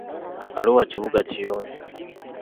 Arua kibuga kiyonjo.